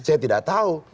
saya tidak tahu